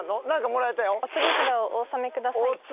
何かもらえたよお告げ札をお納めください